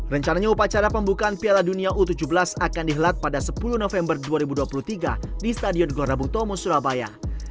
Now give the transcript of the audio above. rencananya upacara pembukaan piala dunia u tujuh belas akan dihelat pada sepuluh november dua ribu dua puluh tiga di stadion gelora bung tomo surabaya